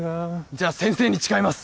じゃあ先生に誓います！